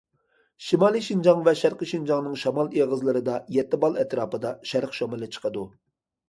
شىمالىي شىنجاڭ ۋە شەرقىي شىنجاڭنىڭ شامال ئېغىزلىرىدا يەتتە بال ئەتراپىدا شەرق شامىلى چىقىدۇ.